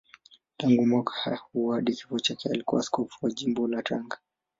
Tangu mwaka huo hadi kifo chake alikuwa askofu wa Jimbo la Tanga.